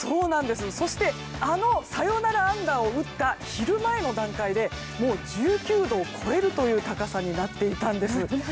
そしてあのサヨナラ安打を打った昼前の段階でもう１９度を超えるという高さになっていたんです。